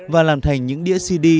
và làm thành những đĩa cd